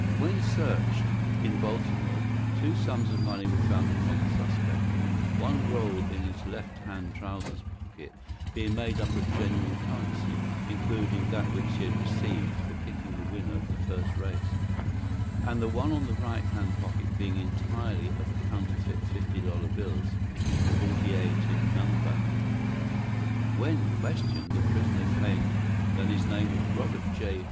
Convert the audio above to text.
When searched, in Baltimore, two sums of money were found upon the suspect one roll in his left hand trousers pocket being made up of genuine currency, including that which he had received for picking the winner of the first race, and the one in the right hand pocket being entirely of counterfeit fifty dollar bills forty eight in number. When questioned, the prisoner claimed that his name was Robert J.